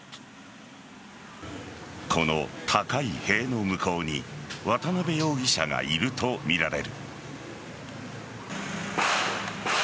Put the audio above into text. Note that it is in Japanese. この高い塀の向こうに渡辺容疑者がいるとみられる。